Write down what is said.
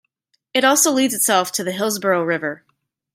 It also leads itself to the Hillsborough River.